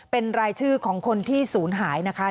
เป็นรายชื่อของคนที่ศูนย์หายนะคะ